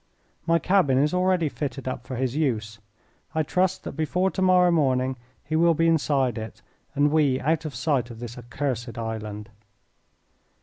My cabin is already fitted up for his use. I trust that before to morrow morning he will be inside it, and we out of sight of this accursed island."